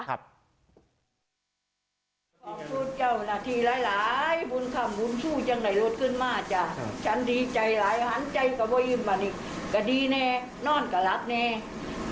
ขอบคุณหลายย่ายขอบคุณหลายครับ